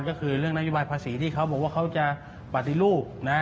ก็คือเรื่องนโยบายภาษีที่เขาบอกว่าเขาจะปฏิรูปนะ